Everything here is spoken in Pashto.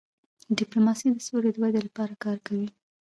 ډيپلوماسي د سولې د ودی لپاره کار کوي.